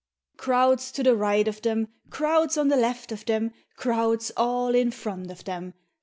Crowds to the right of them. Crowds on the left of them. Crowds all in front of them.